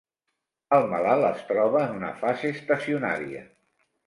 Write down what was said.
El malalt es troba en una fase estacionària.